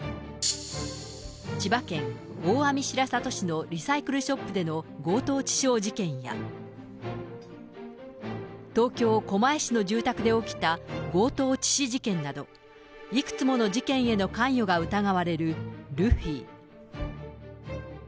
千葉県大網白里市でのリサイクルショップでの強盗致傷事件や、東京・狛江市の住宅で起きた強盗致死事件など、いくつもの事件への関与が疑われるルフィ。